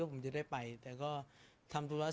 สงฆาตเจริญสงฆาตเจริญ